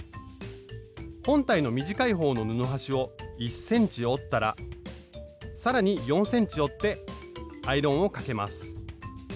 本体の短い方の布端を１ｃｍ折ったら更に４ｃｍ折ってアイロンをかけます